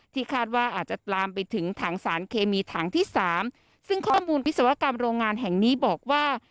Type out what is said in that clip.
คาดว่าอาจจะลามไปถึงถังสารเคมีถังที่สามซึ่งข้อมูลวิศวกรรมโรงงานแห่งนี้บอกว่า